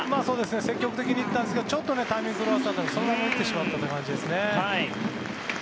積極的に行ったんですがちょっとタイミング狂わされてそのまま打ってしまったという感じですね。